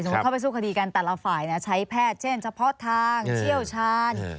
เข้าไปสู้คดีกันแต่ละฝ่ายใช้แพทย์เช่นเฉพาะทางเชี่ยวชาญ